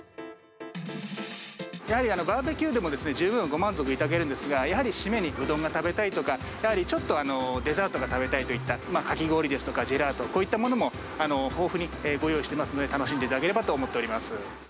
やはりバーベキューでも十分ご満足いただけるんですが、やはり締めにうどんが食べたいとか、やはりちょっとデザートが食べたいといった、かき氷ですとかジェラート、こういったものも豊富にご用意してますので、楽しんでいただければと思っております。